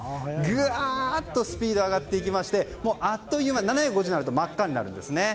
ぐわっとスピードが上がっていきましてあっという間、７５０になると真っ赤になるんですね。